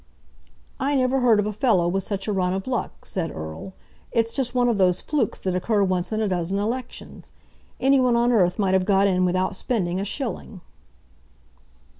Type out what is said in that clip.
"I never heard of a fellow with such a run of luck," said Erle. "It's just one of those flukes that occur once in a dozen elections. Any one on earth might have got in without spending a shilling."